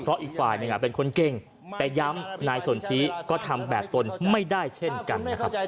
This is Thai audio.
เพราะอีกฝ่ายหนึ่งเป็นคนเก่งแต่ย้ำนายสนทิก็ทำแบบตนไม่ได้เช่นกันนะครับ